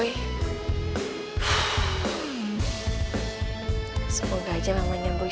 akhirnya gua ketemu juga sema eta mama mapa nyamboy